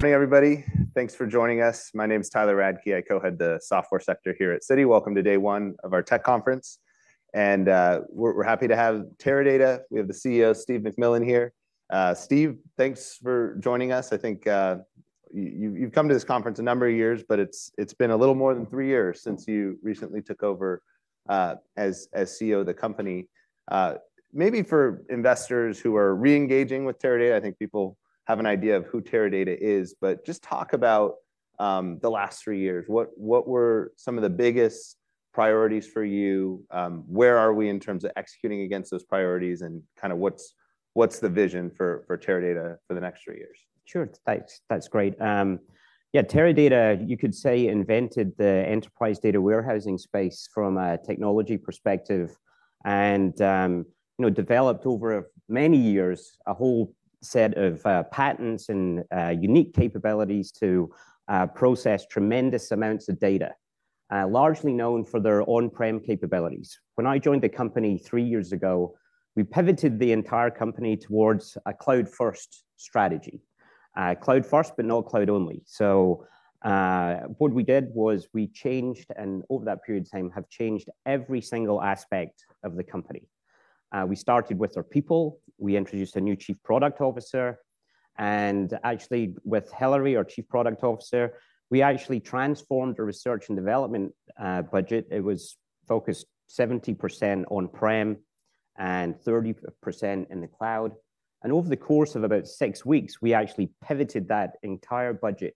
Hey, everybody. Thanks for joining us. My name is Tyler Radke. I co-head the software sector here at Citi. Welcome to day one of our tech conference, and we're happy to have Teradata. We have the CEO, Steve McMillan here. Steve, thanks for joining us. I think you've come to this conference a number of years, but it's been a little more than three years since you recently took over as CEO of the company. Maybe for investors who are reengaging with Teradata, i think people have an idea of who Teradata is, but just talk about the last three years. What were some of the biggest priorities for you? Where are we in terms of executing against those priorities? And kind of what's the vision for Teradata for the next three years? Sure. Thanks. That's great. Yeah, Teradata, you could say, invented the enterprise data warehousing space from a technology perspective and you know, developed over many years a whole set of, patents and, unique capabilities to, process tremendous amounts of data, largely known for their on-prem capabilities. When I joined the company three years ago, we pivoted the entire company towards a cloud-first strategy. Cloud first, but not cloud only. So, what we did was we changed, and over that period of time, have changed every single aspect of the company. We started with our people. We introduced a new Chief Product Officer, and actually with Hillary our Chief Product Officer, we actually transformed our research and development, budget. It was focused 70% on-prem and 30% in the cloud. Over the course of about 6 weeks, we actually pivoted that entire budget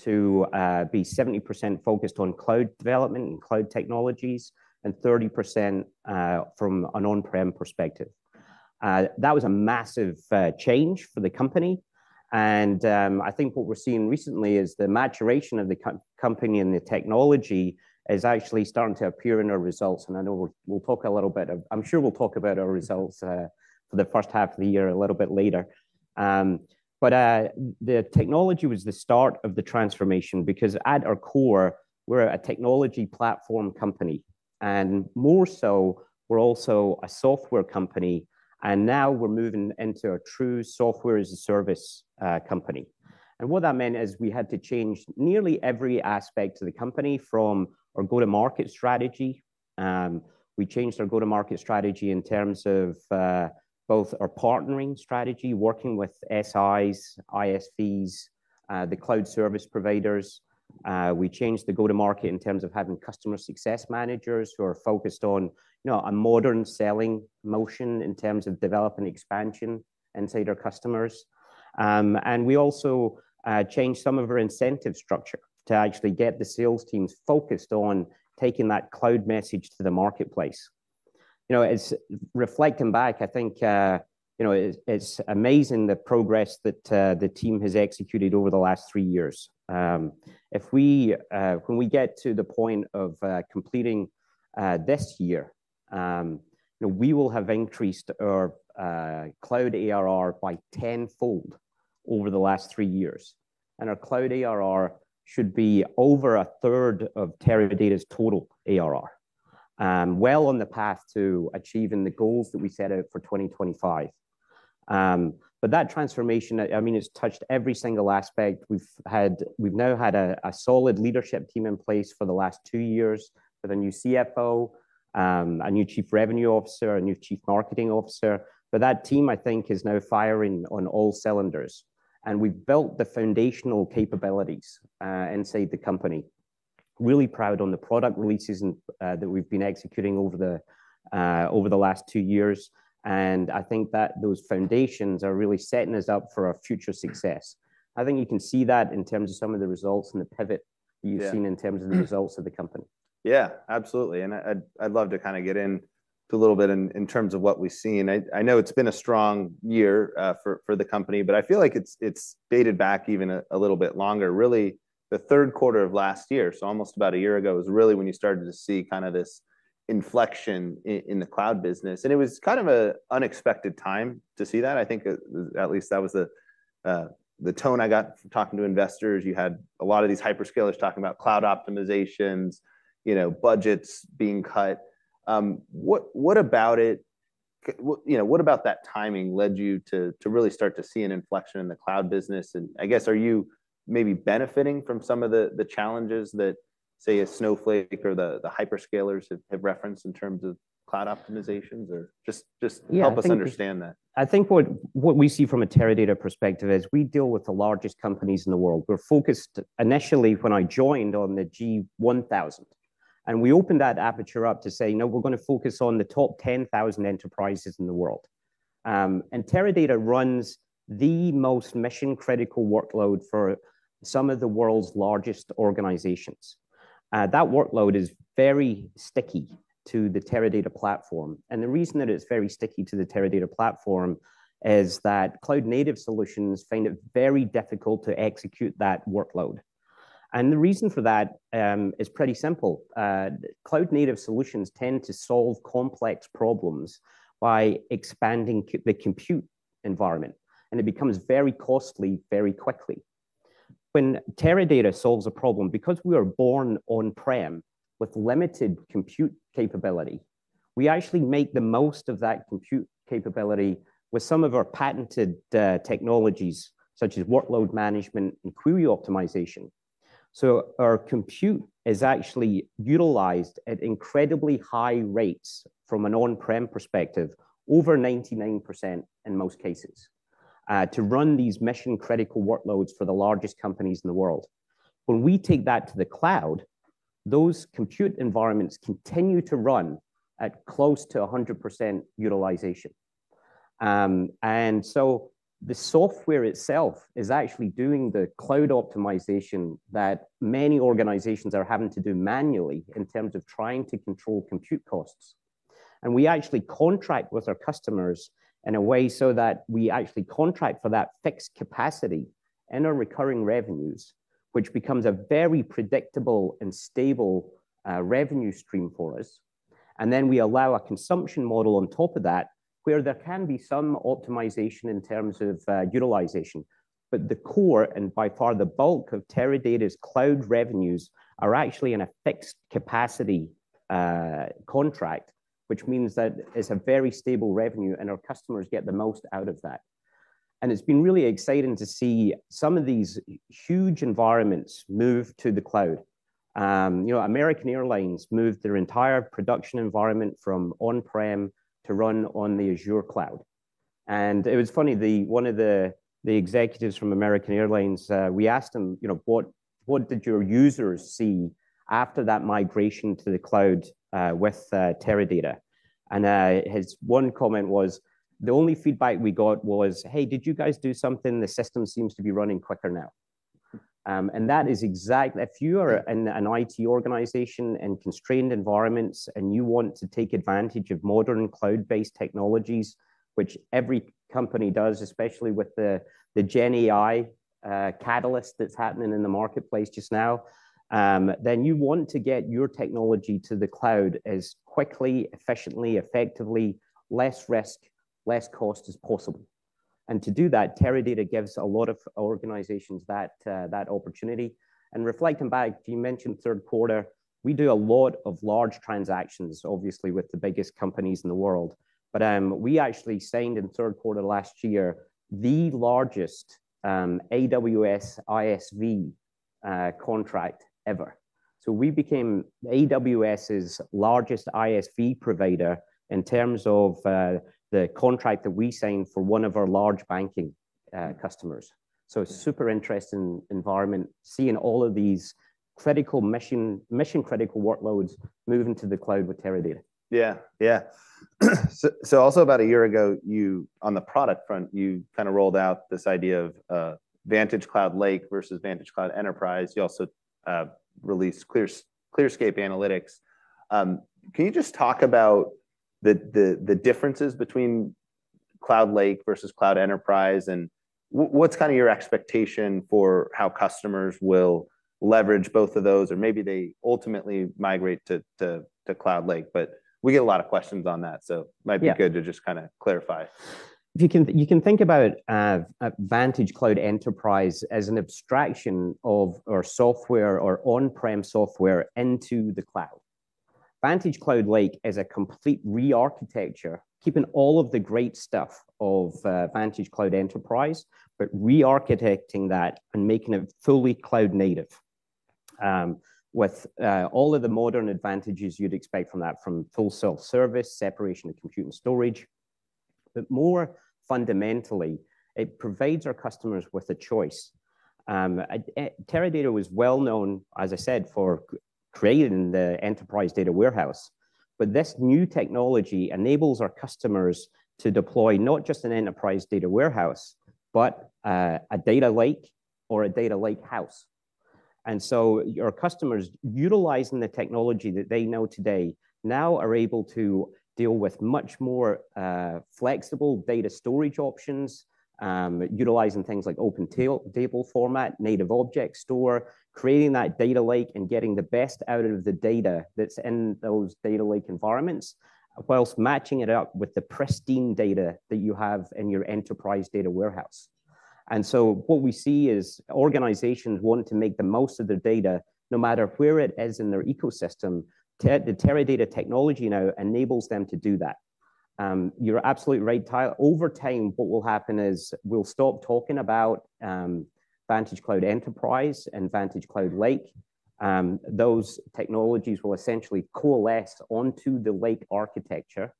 to be 70% focused on cloud development and cloud technologies and 30% from an on-prem perspective. That was a massive change for the company and I think what we're seeing recently is the maturation of the company and the technology is actually starting to appear in our results. I know we'll talk a little bit. I'm sure we'll talk about our results for the first half of the year a little bit later. The technology was the start of the transformation because at our core, we're a technology platform company, and more so, we're also a software company, and now we're moving into a true software-as-a-service company. What that meant is we had to change nearly every aspect of the company from our go-to-market strategy. We changed our go-to-market strategy in terms of both our partnering strategy working with SIs, ISVs, the cloud service providers. We changed the go-to-market in terms of having customer success managers who are focused on you know, a modern selling motion in terms of development expansion inside our customers. And we also changed some of our incentive structure to actually get the sales teams focused on taking that cloud message to the marketplace. You know, as reflecting back, I think, you know it's, it's amazing the progress that the team has executed over the last three years. If we, when we get to the point of completing this year, you know, we will have increased our cloud ARR by tenfold over the last three years, and our cloud ARR should be over a third of Teradata's total ARR. Well on the path to achieving the goals that we set out for 2025. But that transformation, I mean, it's touched every single aspect. We've now had a solid leadership team in place for the last two years, with a new CFO, a new Chief Revenue Officer, a new Chief Marketing Officer. But that team, I think is now firing on all cylinders, and we've built the foundational capabilities inside the company. Really proud on the product releases and, that we've been executing over the last two years, and I think that those foundations are really setting us up for our future success. I think you can see that in terms of some of the results and the pivot. Yeah. You've seen in terms of the results of the company. Yeah, absolutely. And I'd love to kind of get into a little bit in terms of what we've seen. I know it's been a strong year for the company, but I feel like it's dated back even a little bit longer. Really, the third quarter of last year, so almost about a year ago, is really when you started to see kind of this inflection in the cloud business. And it was kind of an unexpected time to see that. I think at least that was the tone I got from talking to investors. You had a lot of these hyperscalers talking about cloud optimizations, you know, budgets being cut. What about that timing led you to really start to see an inflection in the cloud business? I guess, are you maybe benefiting from some of the, the challenges that, say, a Snowflake or the Hyperscalers, have referenced in terms of cloud optimizations? Or just, just. Yeah, I think. Help us understand that. I think what we see from a Teradata perspective is we deal with the largest companies in the world. We're focused, initially when I joined, on the G1000 and we opened that aperture up to say, "No, we're going to focus on the top 10,000 enterprises in the world." Teradata runs the most mission-critical workload for some of the world's largest organizations. That workload is very sticky to the Teradata platform, and the reason that it's very sticky to the Teradata platform is that cloud-native solutions find it very difficult to execute that workload. And the reason for that is pretty simple. Cloud-native solutions tend to solve complex problems by expanding the compute environment, and it becomes very costly, very quickly. When Teradata solves a problem, because we are born on-prem with limited compute capability. We actually make the most of that compute capability with some of our patented technologies, such as workload management and query optimization. So our compute is actually utilized at incredibly high rates from an on-prem perspective, over 99% in most cases, to run these mission-critical workloads for the largest companies in the world. When we take that to the cloud, those compute environments continue to run at close to 100% utilization. And so the software itself is actually doing the cloud optimization that many organizations are having to do manually in terms of trying to control compute costs. And we actually contract with our customers in a way so that we actually contract for that fixed capacity and our recurring revenues, which becomes a very predictable and stable, revenue stream for us. Then we allow a consumption model on top of that, where there can be some optimization in terms of utilization. But the core, and by far the bulk of Teradata's cloud revenues, are actually in a fixed capacity contract, which means that it's a very stable revenue, and our customers get the most out of that. And it's been really exciting to see some of these huge environments move to the cloud. You know, American Airlines moved their entire production environment from on-prem to run on the Azure cloud. And it was funny, one of the executives from American Airlines, we asked him, "You know, what did your users see after that migration to the cloud with Teradata?" And his one comment was, "Hey, did you guys do something? The system seems to be running quicker now.' And that is exactly... If you are an IT organization in constrained environments, and you want to take advantage of modern cloud-based technologies, which every company does, especially with the GenAI catalyst that's happening in the marketplace just now, then you want to get your technology to the cloud as quickly, efficiently, effectively, less risk, less cost as possible. And to do that, Teradata gives a lot of organizations that, that opportunity. And reflecting back, you mentioned third quarter, we do a lot of large transactions, obviously, with the biggest companies in the world. But we actually signed in the third quarter last year, the largest AWS ISV contract ever. So we became AWS's largest ISV provider in terms of, the contract that we signed for one of our large banking, customers. So super interesting environment, seeing all of these critical mission, mission-critical workloads moving to the cloud with Teradata. Yeah. Yeah. So, so also about a year ago, you, on the product front, you kind of rolled out this idea of VantageCloud Lake versus VantageCloud Enterprise. You also released ClearScape Analytics. Can you just talk about the differences between Cloud Lake versus Cloud Enterprise, and what's kind of your expectation for how customers will leverage both of those? Or maybe they ultimately migrate to Cloud Lake, but we get a lot of questions on that, so. Yeah. It might be good to just kind of clarify. You can think about VantageCloud Enterprise as an abstraction of our software, our on-prem software, into the cloud. VantageCloud Lake is a complete rearchitecture, keeping all of the great stuff of VantageCloud Enterprise, but rearchitecting that and making it fully cloud native, with all of the modern advantages you'd expect from that, from full self-service, separation of compute and storage. But more fundamentally, it provides our customers with a choice. Teradata was well known, as I said, for creating the enterprise data warehouse, but this new technology enables our customers to deploy not just an enterprise data warehouse, but a data lake or a data lakehouse. And so our customers, utilizing the technology that they know today, now are able to deal with much more flexible data storage options, utilizing things like open table format, native object store, creating that data lake and getting the best out of the data that's in those data lake environments, while matching it up with the pristine data that you have in your enterprise data warehouse. What we see is organizations want to make the most of their data, no matter where it is in their ecosystem. The Teradata technology now enables them to do that. You're absolutely right, Tyler. Over time, what will happen is we'll stop talking about VantageCloud Enterprise and VantageCloud Lake. Those technologies will essentially coalesce onto the lake architecture.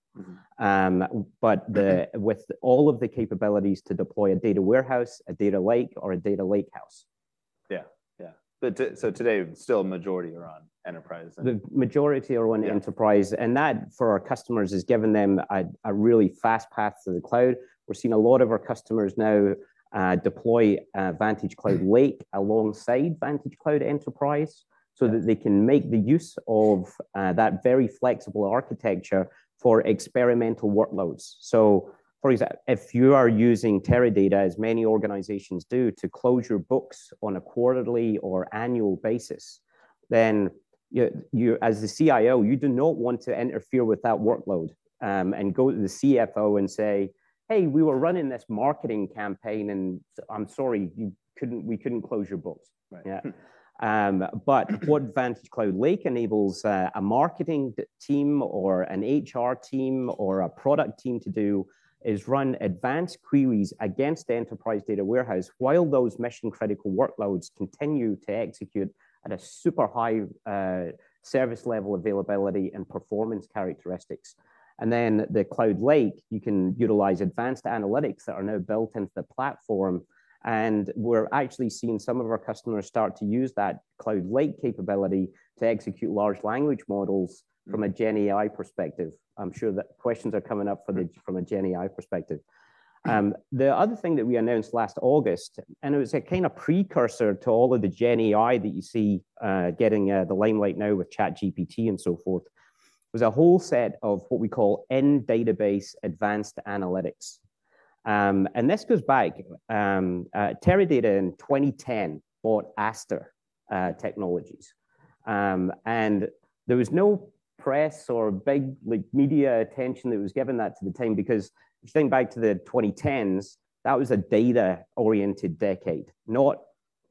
But with all of the capabilities to deploy a data warehouse, a data lake, or a data lakehouse. Yeah. Yeah. But so today, still a majority are on Enterprise then? The majority are on Enterprise. Yeah. That, for our customers, has given them a really fast path to the cloud. We're seeing a lot of our customers now deploy VantageCloud Lake alongside VantageCloud Enterprise, so that they can make use of that very flexible architecture for experimental workloads. For example, if you are using Teradata, as many organizations do, to close your books on a quarterly or annual basis, then you, as the CIO, do not want to interfere with that workload and go to the CFO and say: "Hey, we were running this marketing campaign, and I'm sorry, you couldn't—we couldn't close your books. Right. Yeah. But what VantageCloud Lake enables a marketing team or an HR team or a product team to do is run advanced queries against the enterprise data warehouse while those mission-critical workloads continue to execute at a super high service level availability and performance characteristics. And then the Cloud Lake, you can utilize advanced analytics that are now built into the platform, and we're actually seeing some of our customers start to use that Cloud Lake capability to execute large language models from a GenAI perspective. I'm sure that questions are coming up from the, from a GenAI perspective. The other thing that we announced last August, and it was a kind of precursor to all of the GenAI that you see getting the limelight now with ChatGPT and so forth, was a whole set of what we call in-database advanced analytics. And this goes back, Teradata in 2010 bought Aster Technologies. And there was no press or big, like, media attention that was given at the time, because if you think back to the 2010s, that was a data-oriented decade, not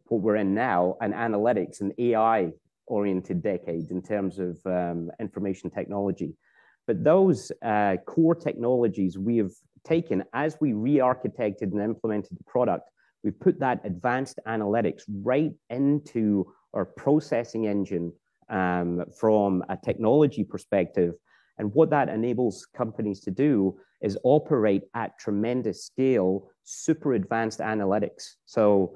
what we're in now, an analytics and AI-oriented decade in terms of information technology. But those core technologies we have taken as we rearchitected and implemented the product, we've put that advanced analytics right into our processing engine from a technology perspective. What that enables companies to do is operate at tremendous scale, super advanced analytics. So,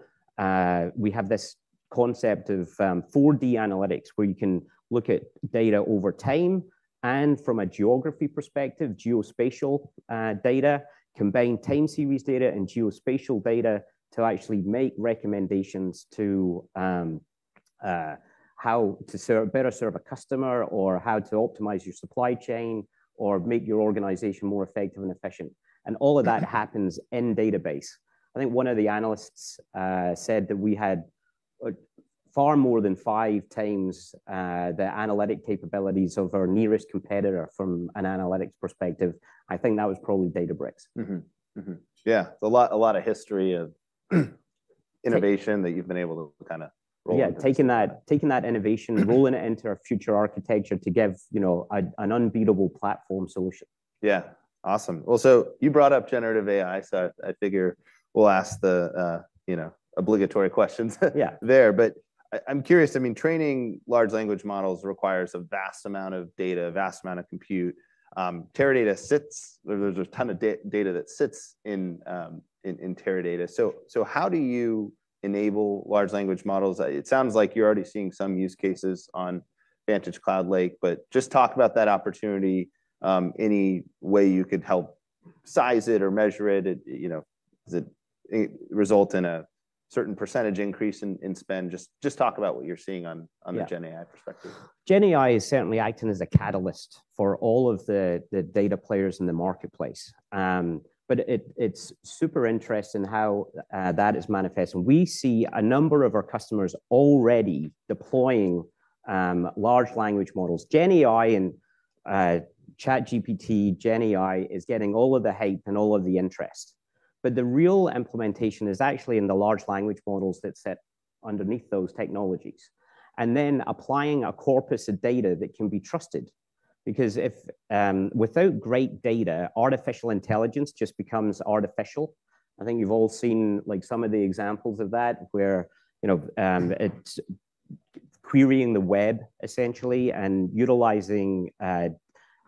we have this concept of 4D Analytics, where you can look at data over time and from a geography perspective, geospatial data, combine time series data and geospatial data to actually make recommendations to how to serve, better serve a customer, or how to optimize your supply chain, or make your organization more effective and efficient. And all of that happens in database. I think one of the analysts said that we had far more than five times the analytic capabilities of our nearest competitor from an analytics perspective. I think that was probably Databricks. Mm-hmm. Mm-hmm. Yeah, a lot, a lot of history of innovation that you've been able to kinda roll- Yeah, taking that, taking that innovation, rolling it into our future architecture to give, you know, an unbeatable platform solution. Yeah. Awesome. Well, so you brought up generative AI, so I figure we'll ask the, you know, obligatory questions- Yeah there. But I'm curious, I mean, training large language models requires a vast amount of data, a vast amount of compute. Teradata sits... There's a ton of data that sits in Teradata. So how do you enable large language models? It sounds like you're already seeing some use cases on VantageCloud Lake, but just talk about that opportunity, any way you could help size it or measure it. You know, does it result in a certain percentage increase in spend? Just talk about what you're seeing on. Yeah on the GenAI perspective. GenAI is certainly acting as a catalyst for all of the data players in the marketplace. But it, it's super interesting how that is manifesting. We see a number of our customers already deploying large language models. GenAI and ChatGPT, GenAI is getting all of the hype and all of the interest, but the real implementation is actually in the large language models that sit underneath those technologies, and then applying a corpus of data that can be trusted. Because if without great data, artificial intelligence just becomes artificial. I think you've all seen, like, some of the examples of that, where you know it's querying the web essentially, and utilizing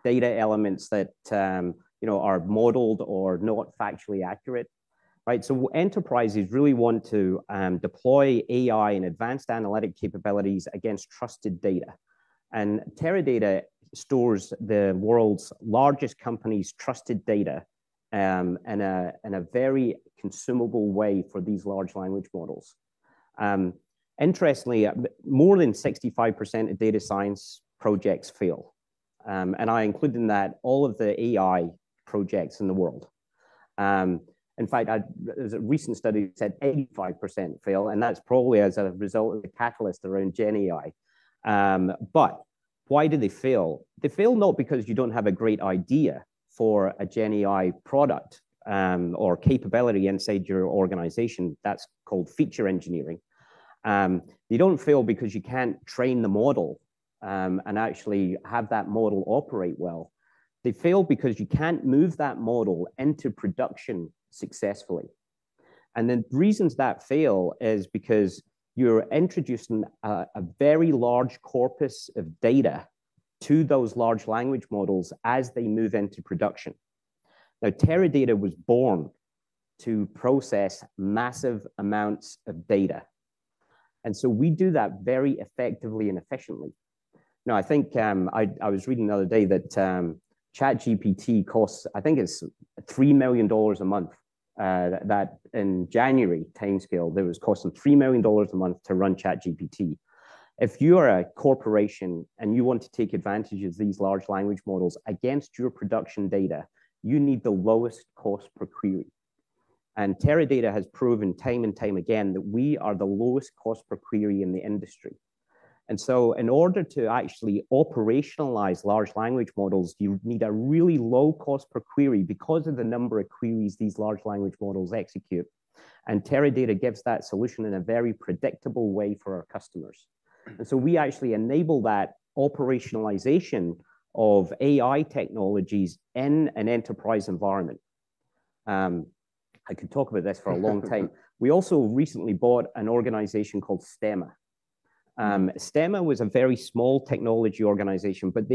data elements that you know are modeled or not factually accurate, right? So enterprises really want to deploy AI and advanced analytic capabilities against trusted data. Teradata stores the world's largest companies' trusted data in a very consumable way for these large language models. Interestingly, more than 65% of data science projects fail, and I include in that all of the AI projects in the world. In fact, there's a recent study that said 85% fail, and that's probably as a result of the catalyst around GenAI. But why do they fail? They fail not because you don't have a great idea for a GenAI product or capability inside your organization. That's called feature engineering. You don't fail because you can't train the model and actually have that model operate well. They fail because you can't move that model into production successfully. The reasons that fail is because you're introducing a very large corpus of data to those large language models as they move into production. Now, Teradata was born to process massive amounts of data, and so we do that very effectively and efficiently. No, I think, I was reading the other day that ChatGPT costs, I think it's $3 million a month, that in January timescale, it was costing $3 million a month to run ChatGPT. If you are a corporation and you want to take advantage of these large language models against your production data, you need the lowest cost per query. Teradata has proven time and time again that we are the lowest cost per query in the industry. In order to actually operationalize large language models, you need a really low cost per query because of the number of queries these large language models execute, and Teradata gives that solution in a very predictable way for our customers. We actually enable that operationalization of AI technologies in an enterprise environment. I could talk about this for a long time. We also recently bought an organization called Stemma. Stemma was a very small technology organization, but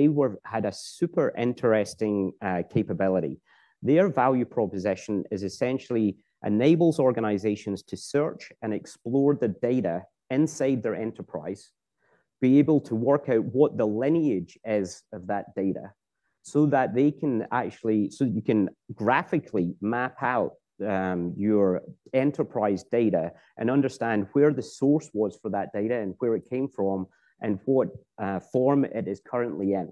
had a super interesting capability. Their value proposition is essentially enables organizations to search and explore the data inside their enterprise, be able to work out what the lineage is of that data, so you can graphically map out your enterprise data and understand where the source was for that data and where it came from, and what form it is currently in.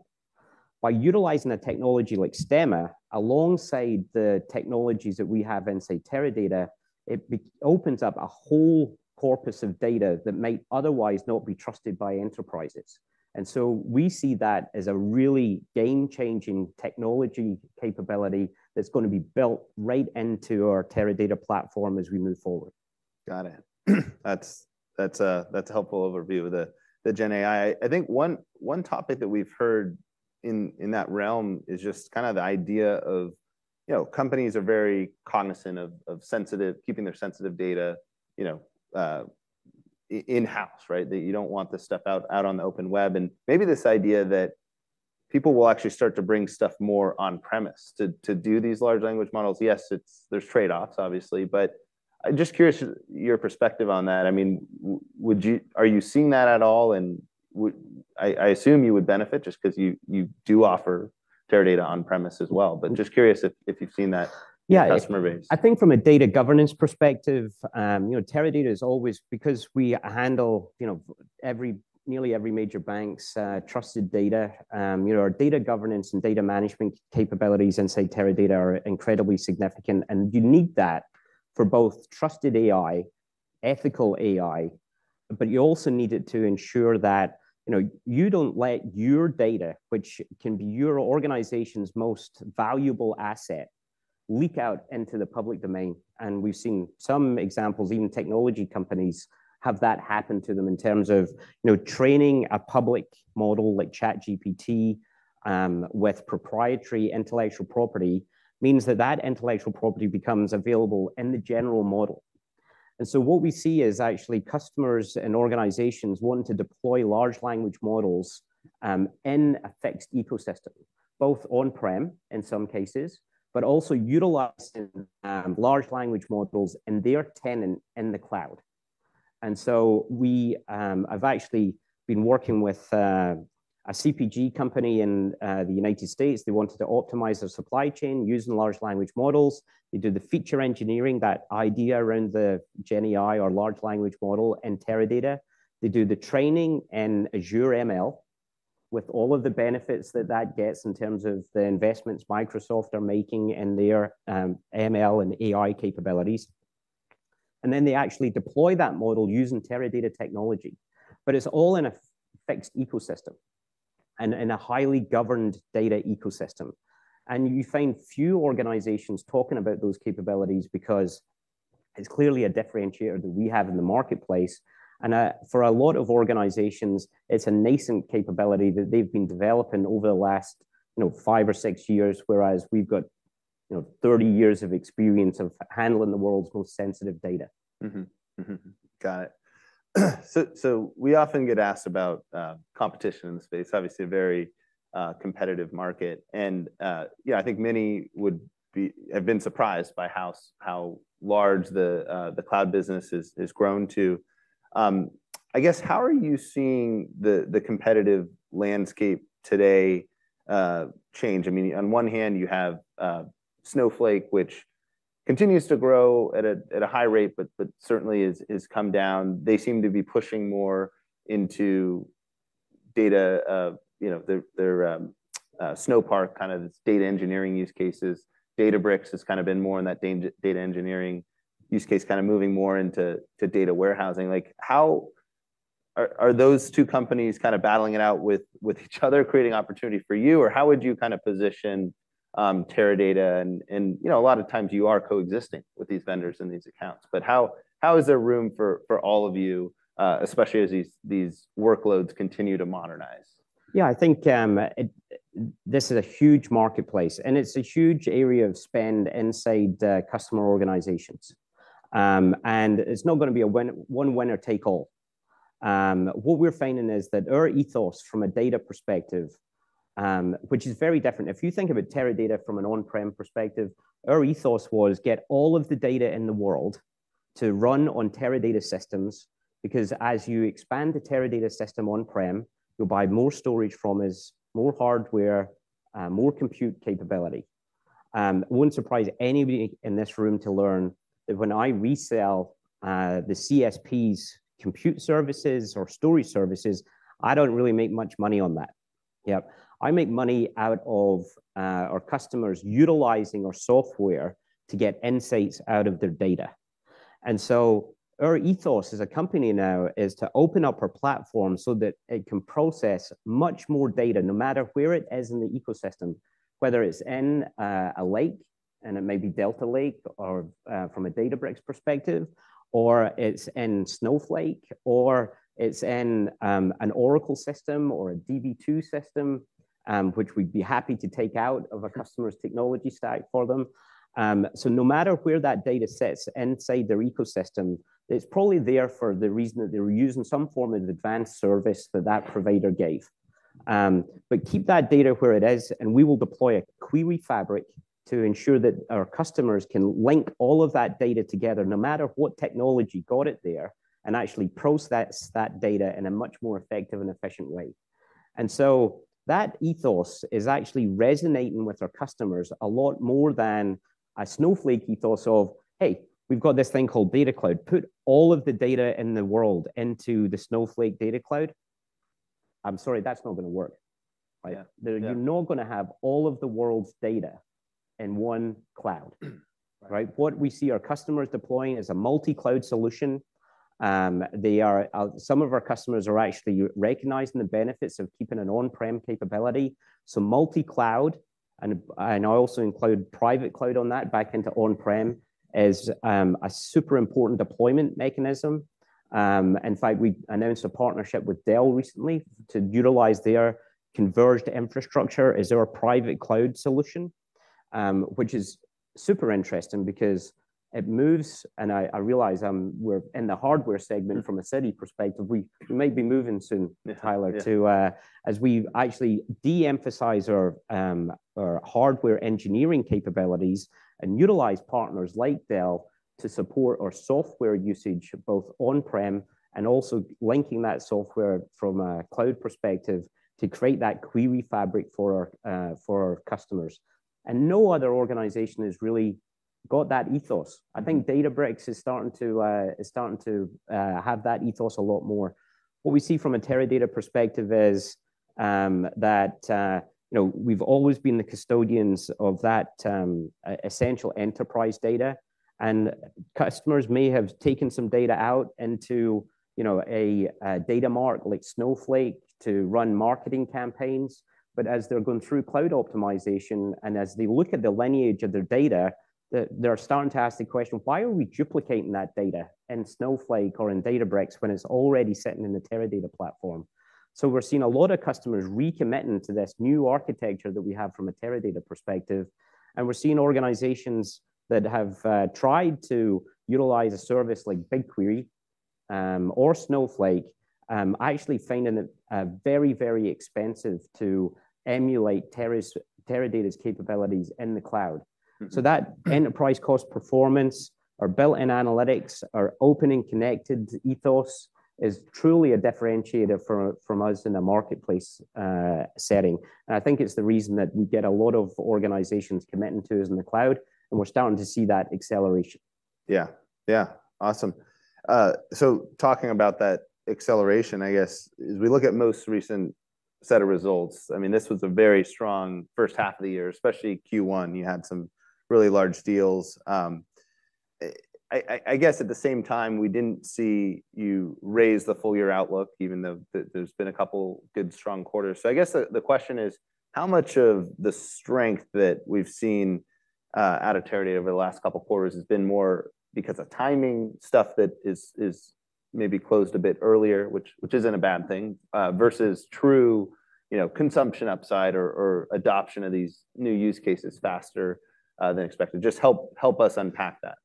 By utilizing a technology like Stemma, alongside the technologies that we have in, say, Teradata, it opens up a whole corpus of data that might otherwise not be trusted by enterprises. So we see that as a really game-changing technology capability that's gonna be built right into our Teradata platform as we move forward. Got it. That's a helpful overview of the GenAI. I think one topic that we've heard in that realm is just kinda the idea of, you know, companies are very cognizant of keeping their sensitive data, you know, in house, right? That you don't want this stuff out on the open web, and maybe this idea that people will actually start to bring stuff more on premise to do these large language models. Yes, it's. There's trade-offs, obviously, but I'm just curious your perspective on that. I mean, would you? Are you seeing that at all? And would. I assume you would benefit just because you do offer Teradata on-premise as well. But just curious if you've seen that. Yeah customer base. I think from a data governance perspective, you know, Teradata is always, because we handle, you know, every, nearly every major bank's trusted data, you know, our data governance and data management capabilities inside Teradata are incredibly significant. And you need that for both trusted AI, ethical AI, but you also need it to ensure that, you know, you don't let your data, which can be your organization's most valuable asset, leak out into the public domain. And we've seen some examples, even technology companies, have that happen to them in terms of, you know, training a public model like ChatGPT with proprietary intellectual property, means that that intellectual property becomes available in the general model. And so what we see is actually customers and organizations wanting to deploy large language models in a fixed ecosystem, both on-prem in some cases, but also utilizing large language models in their tenant in the cloud. And so we, I've actually been working with a CPG company in the United States. They wanted to optimize their supply chain using large language models. They do the feature engineering, that idea around the GenAI or large language model in Teradata. They do the training in Azure ML, with all of the benefits that that gets in terms of the investments Microsoft are making in their ML and AI capabilities. And then they actually deploy that model using Teradata technology. But it's all in a fixed ecosystem and a highly governed data ecosystem. You find few organizations talking about those capabilities because it's clearly a differentiator that we have in the marketplace. For a lot of organizations, it's a nascent capability that they've been developing over the last, you know, 5 or 6 years, whereas we've got, you know, 30 years of experience of handling the world's most sensitive data. Mm-hmm. Mm-hmm, got it. So, so we often get asked about, competition in the space. Obviously, a very, competitive market. And, yeah, I think many would have been surprised by how large the, the cloud business has, has grown to. I guess, how are you seeing the, the competitive landscape today, change? I mean, on one hand, you have, Snowflake, which continues to grow at a, at a high rate, but, but certainly has, has come down. They seem to be pushing more into data, you know, their, their, Snowpark, kind of its data engineering use cases. Databricks has kind of been more in that data engineering use case, kind of moving more into, to data warehousing. Like, how are, are those two companies kind of battling it out with, with each other, creating opportunity for you? Or how would you kind of position Teradata and, you know, a lot of times you are coexisting with these vendors and these accounts, but how is there room for all of you, especially as these workloads continue to modernize? Yeah, I think this is a huge marketplace, and it's a huge area of spend inside the customer organizations. And it's not gonna be a one winner take all. What we're finding is that our ethos from a data perspective, which is very different. If you think about Teradata from an on-prem perspective, our ethos was: Get all of the data in the world to run on Teradata systems, because as you expand the Teradata system on-prem, you'll buy more storage from us, more hardware, more compute capability. It wouldn't surprise anybody in this room to learn that when I resell the CSP's compute services or storage services, I don't really make much money on that. Yeah, I make money out of our customers utilizing our software to get insights out of their data. And so our ethos as a company now is to open up our platform so that it can process much more data, no matter where it is in the ecosystem, whether it's in a lake, and it may be Delta Lake or from a Databricks perspective, or it's in Snowflake, or it's in an Oracle system or a Db2 system, which we'd be happy to take out of a customer's technology stack for them. So no matter where that data sits inside their ecosystem, it's probably there for the reason that they were using some form of advanced service that that provider gave. But keep that data where it is, and we will deploy a query fabric to ensure that our customers can link all of that data together, no matter what technology got it there, and actually process that data in a much more effective and efficient way. And so that ethos is actually resonating with our customers a lot more than a Snowflake ethos of, "Hey, we've got this thing called Data Cloud. Put all of the data in the world into the Snowflake Data Cloud." I'm sorry, that's not going to work, right? Yeah. You're not going to have all of the world's data in one cloud, right? What we see our customers deploying is a multi-cloud solution. Some of our customers are actually recognizing the benefits of keeping an on-prem capability. So multi-cloud, and I also include private cloud on that back into on-prem, is a super important deployment mechanism. In fact, we announced a partnership with Dell recently to utilize their converged infrastructure as their private cloud solution, which is super interesting because it moves... And I realize we're in the hardware segment from a Citi perspective. We might be moving soon, Tyler, to as we actually de-emphasize our hardware engineering capabilities and utilize partners like Dell to support our software usage, both on-prem and also linking that software from a cloud perspective to create that query fabric for our customers. And no other organization has really got that ethos. I think Databricks is starting to have that ethos a lot more. What we see from a Teradata perspective is that you know, we've always been the custodians of that essential enterprise data, and customers may have taken some data out into you know, a data mart like Snowflake to run marketing campaigns. But as they're going through cloud optimization, and as they look at the lineage of their data, they're starting to ask the question: "Why are we duplicating that data in Snowflake or in Databricks when it's already sitting in the Teradata platform?" So we're seeing a lot of customers recommitting to this new architecture that we have from a Teradata perspective, and we're seeing organizations that have tried to utilize a service like BigQuery or Snowflake actually finding it very, very expensive to emulate Teradata's, Teradata's capabilities in the cloud. So that enterprise cost performance, our built-in analytics, our open and connected ethos is truly a differentiator from us in a marketplace setting. And I think it's the reason that we get a lot of organizations committing to us in the cloud, and we're starting to see that acceleration. Yeah. Yeah, awesome. So talking about that acceleration, I guess, as we look at most recent set of results, I mean, this was a very strong first half of the year, especially Q1. You had some really large deals. I guess at the same time, we didn't see you raise the full year outlook, even though there's been a couple good, strong quarters. So I guess the question is, how much of the strength that we've seen out of Teradata over the last couple quarters has been more because of timing stuff that is maybe closed a bit earlier, which isn't a bad thing versus true, you know, consumption upside or adoption of these new use cases faster than expected? Just help us unpack that.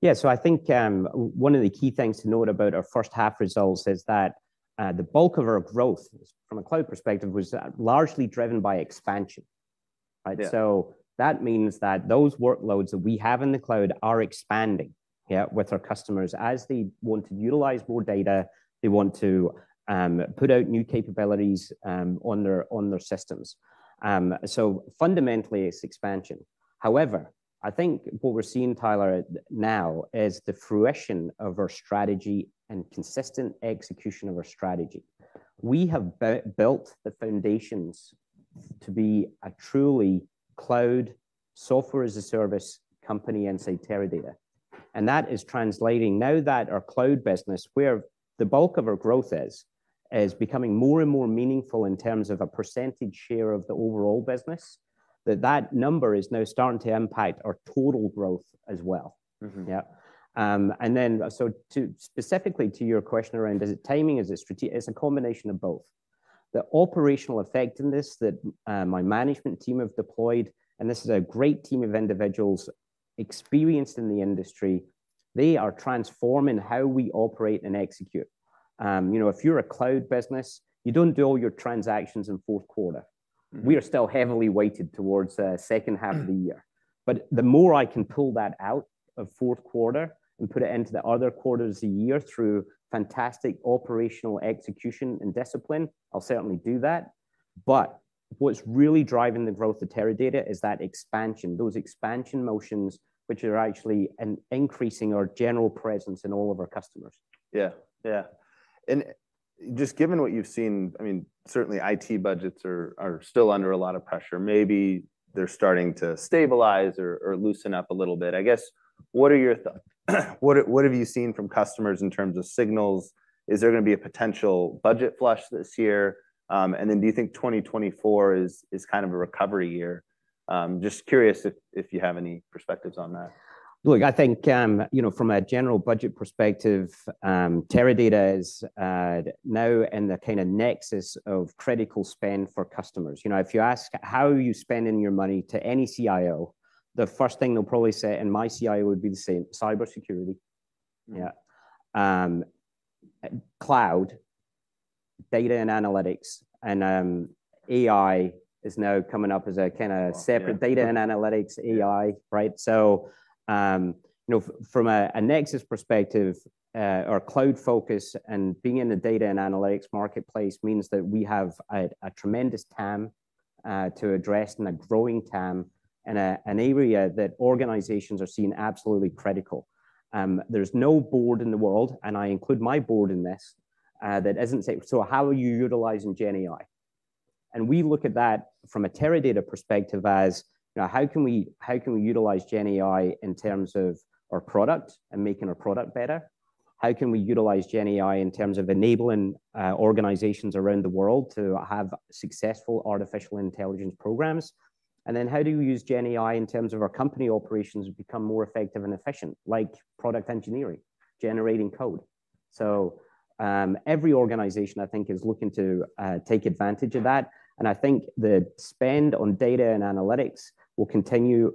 Yeah, so I think one of the key things to note about our first half results is that the bulk of our growth from a cloud perspective was largely driven by expansion, right? Yeah. So that means that those workloads that we have in the cloud are expanding, yeah, with our customers. As they want to utilize more data, they want to put out new capabilities on their systems. So fundamentally, it's expansion. However, I think what we're seeing, Tyler, now is the fruition of our strategy and consistent execution of our strategy. We have built the foundations to be a truly cloud software as a service company inside Teradata, and that is translating. Now that our cloud business, where the bulk of our growth is, is becoming more and more meaningful in terms of a percentage share of the overall business, that number is now starting to impact our total growth as well. Yeah. And then, so to specifically to your question around, is it timing? Is it strategy? It's a combination of both. The operational effectiveness that my management team have deployed, and this is a great team of individuals experienced in the industry, they are transforming how we operate and execute. You know, if you're a cloud business, you don't do all your transactions in fourth quarter. We are still heavily weighted towards second half of the year. But the more I can pull that out of fourth quarter and put it into the other quarters of the year through fantastic operational execution and discipline, I'll certainly do that. But what's really driving the growth of Teradata is that expansion, those expansion motions, which are actually increasing our general presence in all of our customers. Yeah. Yeah. And just given what you've seen, I mean, certainly IT budgets are still under a lot of pressure. Maybe they're starting to stabilize or loosen up a little bit. I guess, what have you seen from customers in terms of signals? Is there going to be a potential budget flush this year? And then do you think 2024 is kind of a recovery year? Just curious if you have any perspectives on that. Look, I think, you know, from a general budget perspective, Teradata is now in the kind of nexus of critical spend for customers. You know, if you ask, "How are you spending your money?" to any CIO, the first thing they'll probably say, and my CIO would be the same: cybersecurity. Mm-hmm. Yeah. Cloud, data and analytics, and AI is now coming up as a kind of separate- Yeah. Data and analytics, AI. Yeah. Right? So, you know, from a nexus perspective, our cloud focus and being in the data and analytics marketplace means that we have a tremendous TAM to address, and a growing TAM, in an area that organizations are seeing absolutely critical. There's no board in the world, and I include my board in this, that doesn't say, "So how are you utilizing GenAI?" And we look at that from a Teradata perspective as, you know, how can we, how can we utilize GenAI in terms of our product and making our product better? How can we utilize GenAI in terms of enabling organizations around the world to have successful artificial intelligence programs? And then, how do we use GenAI in terms of our company operations become more effective and efficient, like product engineering, generating code? So, every organization, I think, is looking to take advantage of that, and I think the spend on data and analytics will continue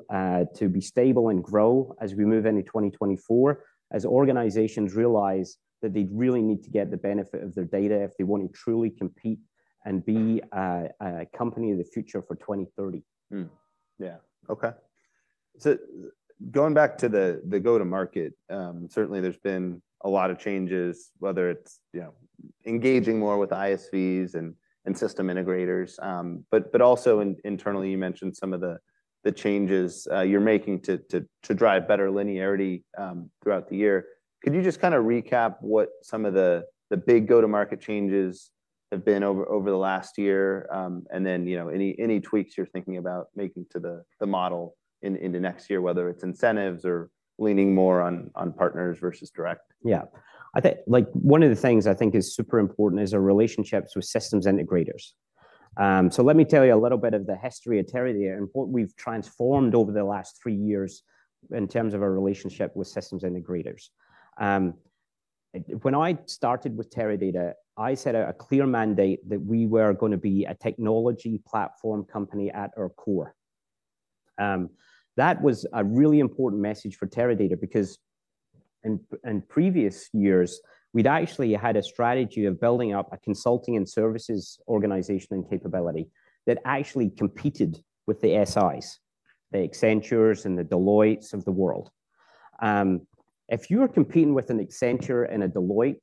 to be stable and grow as we move into 2024, as organizations realize that they really need to get the benefit of their data if they want to truly compete and be a company of the future for 2030. Mm-hmm. Yeah. Okay. So going back to the go-to-market, certainly there's been a lot of changes, whether it's, you know, engaging more with ISVs and system integrators, but also internally, you mentioned some of the changes, you're making to drive better linearity throughout the year. Could you just kind of recap what some of the big go-to-market changes have been over the last year? And then, you know, any tweaks you're thinking about making to the model in the next year, whether it's incentives or leaning more on partners versus direct. Yeah. I think, like, one of the things I think is super important is our relationships with systems integrators. So let me tell you a little bit of the history of Teradata and what we've transformed over the last three years in terms of our relationship with systems integrators. When I started with Teradata, I set out a clear mandate that we were going to be a technology platform company at our core. That was a really important message for Teradata because in previous years, we'd actually had a strategy of building up a consulting and services organization and capability that actually competed with the SIs, the Accenture and the Deloitte of the world. If you are competing with an Accenture and a Deloitte,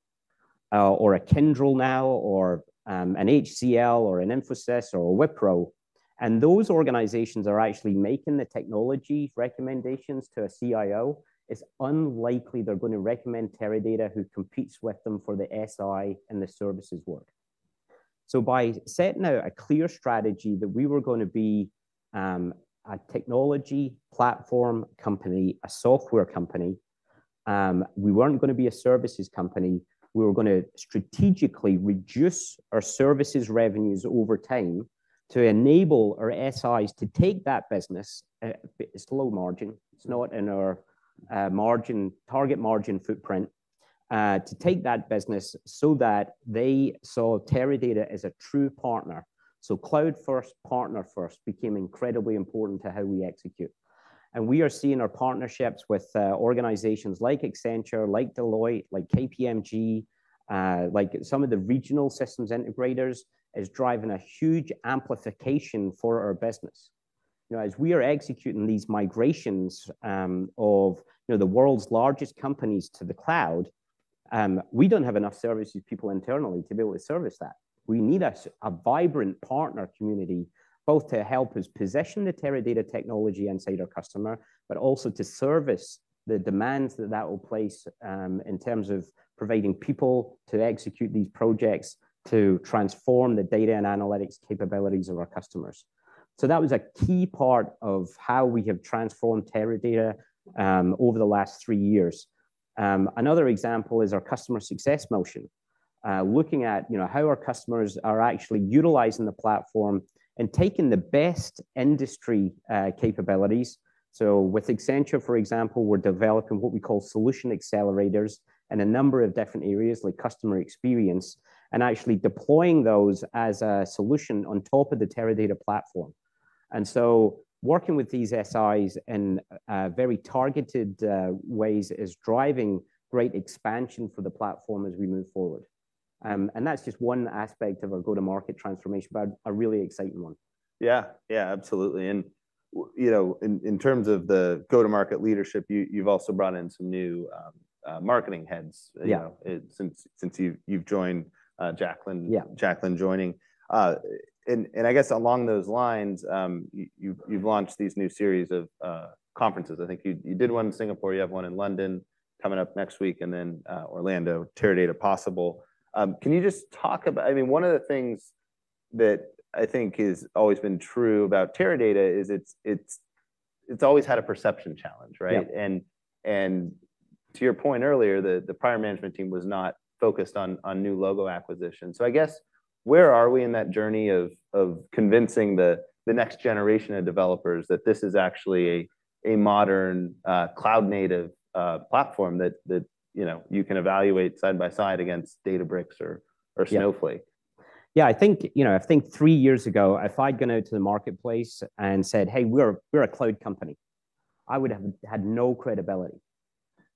or a Kyndryl now, or an HCL or an Infosys or a Wipro, and those organizations are actually making the technology recommendations to a CIO, it's unlikely they're going to recommend Teradata, who competes with them for the SI and the services work. So by setting out a clear strategy that we were going to be a technology platform company, a software company, we weren't going to be a services company. We were going to strategically reduce our services revenues over time to enable our SIs to take that business. It's low margin. It's not in our margin, target margin footprint to take that business so that they saw Teradata as a true partner. So cloud first, partner first, became incredibly important to how we execute. We are seeing our partnerships with organizations like Accenture, like Deloitte, like KPMG, like some of the regional systems integrators, as driving a huge amplification for our business. You know, as we are executing these migrations, of you know, the world's largest companies to the cloud, we don't have enough services people internally to be able to service that. We need a vibrant partner community, both to help us position the Teradata technology inside our customer, but also to service the demands that that will place, in terms of providing people to execute these projects, to transform the data and analytics capabilities of our customers. So that was a key part of how we have transformed Teradata, over the last three years. Another example is our customer success motion. Looking at, you know, how our customers are actually utilizing the platform and taking the best industry capabilities. So with Accenture, for example, we're developing what we call solution accelerators in a number of different areas, like customer experience, and actually deploying those as a solution on top of the Teradata platform. And so working with these SIs in very targeted ways is driving great expansion for the platform as we move forward. And that's just one aspect of our go-to-market transformation, but a really exciting one. Yeah. Yeah, absolutely. And, you know, in terms of the go-to-market leadership, you've also brought in some new marketing heads. Yeah. You know, since you've joined, Jacqueline. Yeah. Jacqueline joining. And I guess along those lines, you've launched these new series of conferences. I think you did one in Singapore, you have one in London coming up next week, and then Orlando, Teradata Possible. Can you just talk about... I mean, one of the things that I think has always been true about Teradata is it's always had a perception challenge, right? Yeah. And to your point earlier, the prior management team was not focused on new logo acquisition. So I guess, where are we in that journey of convincing the next generation of developers that this is actually a modern cloud-native platform that you know, you can evaluate side by side against Databricks or Snowflake? Yeah. Yeah, I think, you know, I think three years ago, if I'd gone out to the marketplace and said, "Hey, we're, we're a cloud company," I would have had no credibility,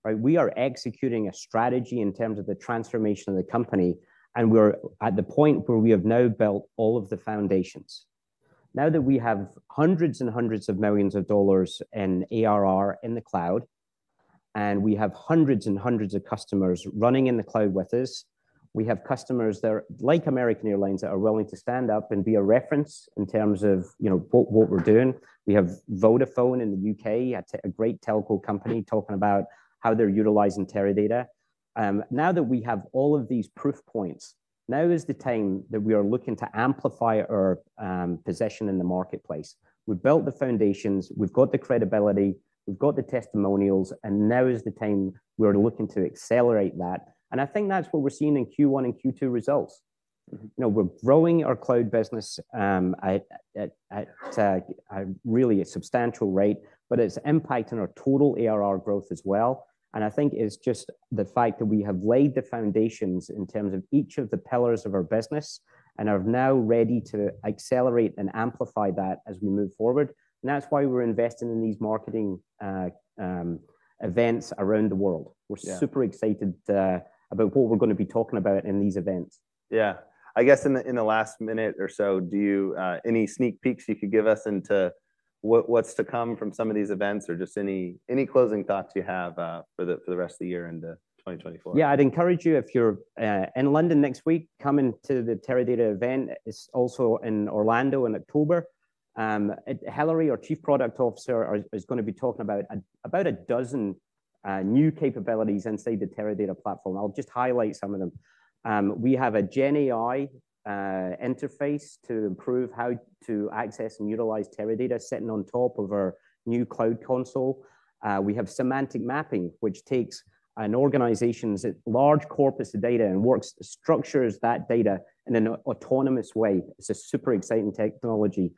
right? We are executing a strategy in terms of the transformation of the company, and we're at the point where we have now built all of the foundations. Now that we have $ hundreds and hundreds of millions in ARR in the cloud, and we have hundreds and hundreds of customers running in the cloud with us, we have customers that are, like American Airlines, that are willing to stand up and be a reference in terms of, you know, what, what we're doing. We have Vodafone in the U.K., a great telco company, talking about how they're utilizing Teradata. Now that we have all of these proof points, now is the time that we are looking to amplify our position in the marketplace. We've built the foundations, we've got the credibility, we've got the testimonials, and now is the time we're looking to accelerate that. And I think that's what we're seeing in Q1 and Q2 results. You know, we're growing our cloud business at really a substantial rate, but it's impacting our total ARR growth as well. And I think it's just the fact that we have laid the foundations in terms of each of the pillars of our business, and are now ready to accelerate and amplify that as we move forward. And that's why we're investing in these marketing events around the world. Yeah. We're super excited about what we're going to be talking about in these events. Yeah. I guess in the last minute or so, do you any sneak peeks you could give us into what's to come from some of these events, or just any closing thoughts you have for the rest of the year into 2024? Yeah, I'd encourage you, if you're in London next week, come in to the Teradata event. It's also in Orlando in October. Hillary, our Chief Product Officer, is going to be talking about 12 new capabilities inside the Teradata platform. I'll just highlight some of them. We have a GenAI interface to improve how to access and utilize Teradata, sitting on top of our new cloud console. We have semantic mapping, which takes an organization's large corpus of data and structures that data in an autonomous way. It's a super exciting technology.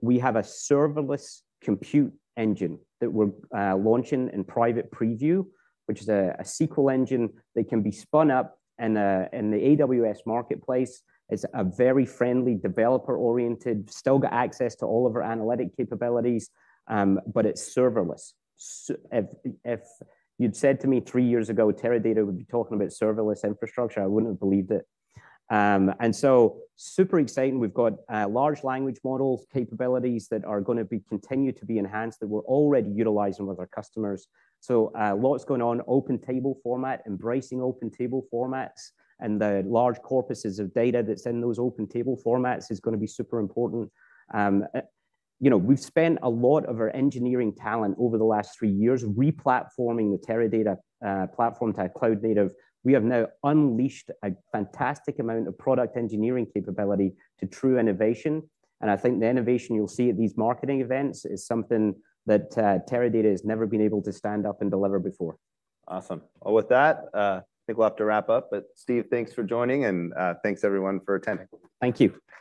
We have a serverless compute engine that we're launching in private preview, which is a SQL engine that can be spun up in the AWS marketplace. It's a very friendly, developer-oriented, still got access to all of our analytic capabilities, but it's serverless. If you'd said to me three years ago, Teradata would be talking about serverless infrastructure, I wouldn't have believed it. And so super exciting. We've got large language models, capabilities that are going to continue to be enhanced, that we're already utilizing with our customers. So lots going on. Open Table Format, embracing Open Table Formats, and the large corpuses of data that's in those Open Table Formats is going to be super important. You know, we've spent a lot of our engineering talent over the last three years replatforming the Teradata platform to a cloud native. We have now unleashed a fantastic amount of product engineering capability to true innovation, and I think the innovation you'll see at these marketing events is something that Teradata has never been able to stand up and deliver before. Awesome. Well, with that, I think we'll have to wrap up. But Steve, thanks for joining, and thanks everyone for attending. Thank you.